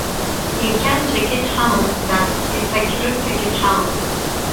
Иахьа анцәагьы дҳамам, дад, Есақьрысҭагьы дҳамам.